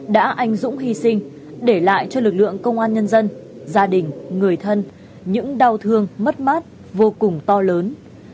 đã anh dũng hy sinh để lại cho lực lượng công an nhân dân gia đình người thân những đau thương mất mát vô cùng to lớn